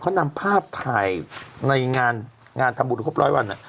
เขานำภาพถ่ายในงานงานทำบุญครบร้อยวัน